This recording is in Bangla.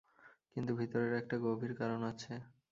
কিন্তু ভিতরের একটা গভীর কারণ আছে।